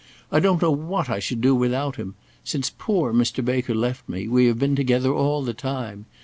I don't know what I should do without him. Since poor Mr. Baker left me, we have been together all the time.